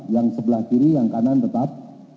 yang sebelah kiri yang kanan tetap